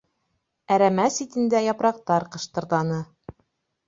Әрәмә ситендә япраҡтар ҡыштырҙаны.